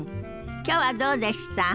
きょうはどうでした？